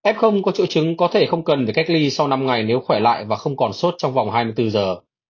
f có triệu chứng có thể không cần phải cách ly sau năm ngày nếu khỏe lại và không còn sốt trong vòng hai mươi bốn giờ